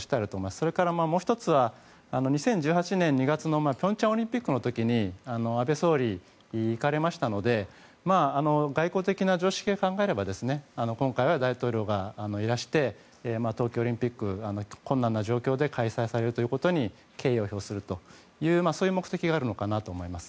それから、もう１つは２０１８年２月の平昌オリンピックの時安倍総理、行かれましたので外交的な常識を考えれば今回は大統領がいらして東京オリンピックが困難な状況で開催されることに敬意を表するという目的があるのかなと思います。